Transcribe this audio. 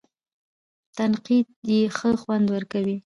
تنقید یې ښه خوند ورکوي.